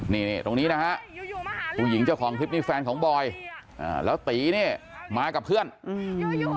นี่นี่ตรงนี้นะฮะผู้หญิงเจ้าของคลิปนี้แฟนของบอยอ่าแล้วตีเนี่ยมากับเพื่อนอืม